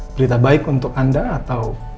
berita baik untuk anda atau